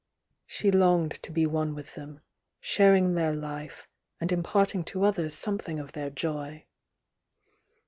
She longed to be one with them, sharing their life, and imparting to others something of their joy.